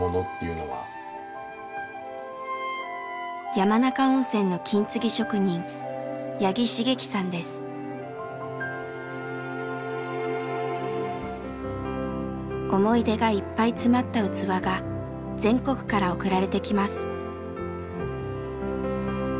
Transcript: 山中温泉の思い出がいっぱい詰まった器が全国から送られてきます。